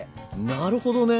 なるほどね！